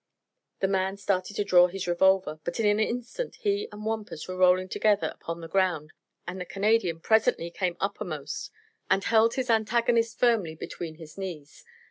The man started to draw his revolver, but in an instant he and Wampus were rolling together upon the ground and the Canadian presently came uppermost and held his antagonist firmly between his knees.